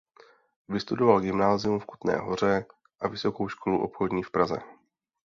Vystudoval gymnázium v Kutné Hoře a Vysokou školu obchodní v Praze.